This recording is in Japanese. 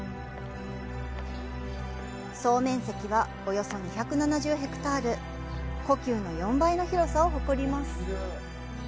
総面積は、およそ２７０ヘクタール、故宮の４倍の広さを誇ります。